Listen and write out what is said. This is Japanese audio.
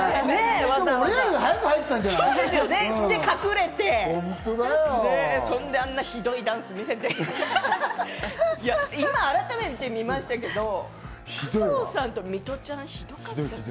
俺らより早く入ってたんじゃそれで隠れて、それであんなひどいダンス見せて、今、改めて見ましたけど、加藤さんとミトちゃん、ひどかったす。